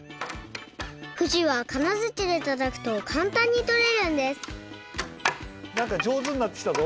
ふしはカナヅチでたたくとかんたんにとれるんですなんかじょうずになってきたぞ。